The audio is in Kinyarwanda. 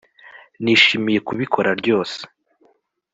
nishimiye kubikora ryose